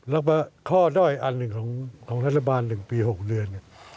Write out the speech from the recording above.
แล้วก็ข้อด้อยอันหนึ่งของรัฐบาล๑ปี๖เดือนเนี่ย